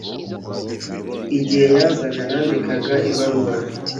Igihe yazaga, nandikaga ibaruwa.